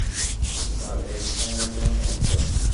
তার এ সমালোচনা চমৎকার।